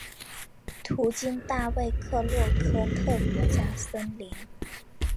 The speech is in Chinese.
途经大卫克洛科特国家森林。